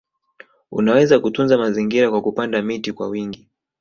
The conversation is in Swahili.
Unaweza kutunza mazingira kwa kupanda miti kwa wingi